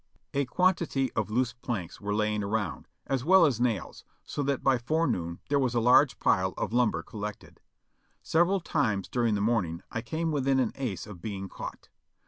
A quantity CROSSING THE POTOMAC OX A RAFT 4/3 of loose planks were lying around, as well as nails, so that by fore noon there was a large pile of lumber collected. Several times during the morning I came within an ace of being caught.